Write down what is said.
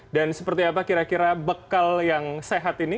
seperti apa kira kira bekal yang sehat ini